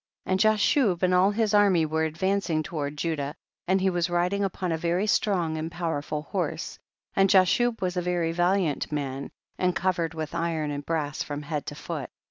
* 28. And Jashub and all his army were advancing toward Judah, and he was riding upon a very strong and powerful horse, and Jashub was a very valiant man, and covered with iron and brass from head to foot.